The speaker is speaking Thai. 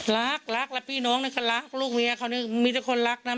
รักรักแล้วพี่น้องนี่เขารักลูกเมียเขานี่มีแต่คนรักนะ